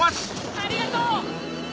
ありがとう！